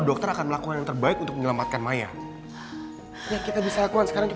dokter akan melakukan yang terbaik untuk menyelamatkan maya ya kita bisa lakukan sekarang